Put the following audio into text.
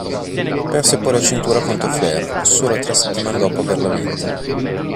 Perse poi la cintura contro Flair solo tre settimane dopo averla vinta.